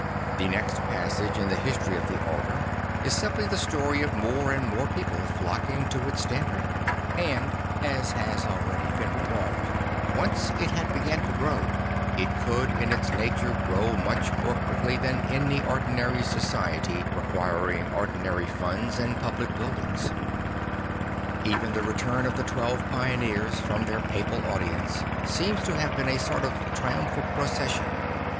The next passage in the history of the order is simply the story of more and more people flock ing to its standard; and as has already been remarked, once it had begun to grO\V, it could in its nature grow much more quickly than any ordinary society req uiring ordinary funds and public buildings. Even the return of the twelve pioneers from their papal audience seems to have been a sort of triumphal procession.